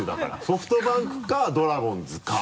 ソフトバンクかドラゴンズか。